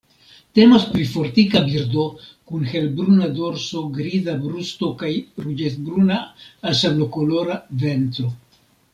Temas pri fortika birdo, kun helbruna dorso, griza brusto kaj ruĝecbruna al sablokolora ventro.